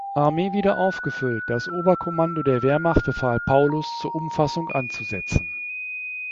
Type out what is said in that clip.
Armee wieder aufgefüllt, das Oberkommando der Wehrmacht befahl Paulus zur Umfassung anzusetzen.